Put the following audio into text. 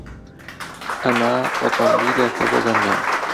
ئەمە ئۆتۆمۆبیلێکە بۆ گەنجان.